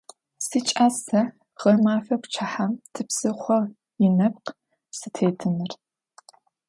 СикӀас сэ гъэмэфэ пчыхьэм типсыхъо инэпкъ сытетыныр.